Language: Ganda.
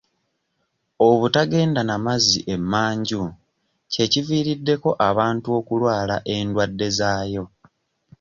Obutagenda na mazzi emmanju kye kiviiriddeko abantu okulwala endwadde zaayo.